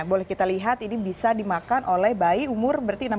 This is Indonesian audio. boleh kita lihat ini bisa dimakan oleh bayi umur bertingkat